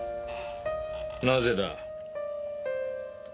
なぜだ？